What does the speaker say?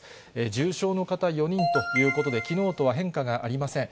重症の方４人ということで、きのうとは変化がありません。